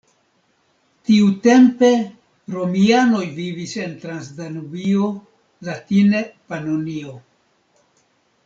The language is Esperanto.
Tiutempe romianoj vivis en Transdanubio, latine Panonio.